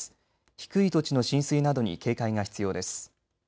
低い土地の浸水などに警戒が必要です。